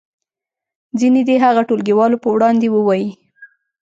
ځینې دې هغه ټولګیوالو په وړاندې ووایي.